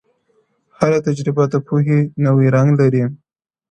هره تجربه د پوهې نوی رنګ لري،